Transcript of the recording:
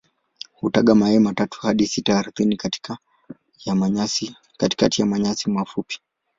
Hutaga mayai matatu hadi sita ardhini katikati ya manyasi mafupi.